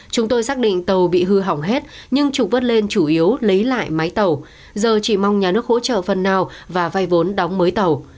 chúng tôi xác định tàu bị hư hỏng hết nhưng trục vớt lên chủ yếu lấy lại máy tàu giờ chỉ mong nhà nước hỗ trợ phần nào và vay vốn đóng mới tàu